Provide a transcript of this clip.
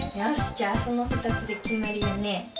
じゃあそのふたつできまりだね。